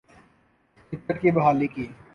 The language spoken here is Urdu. کرکٹ کی بحالی کی